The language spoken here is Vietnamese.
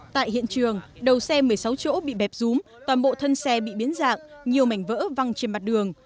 tại hiện trường đầu xe một mươi sáu chỗ bị bẹp rúm toàn bộ thân xe bị biến dạng nhiều mảnh vỡ văng trên mặt đường